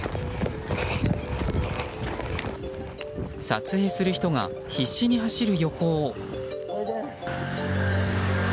撮影する人が必死に走る横を。